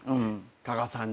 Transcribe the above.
加賀さんに。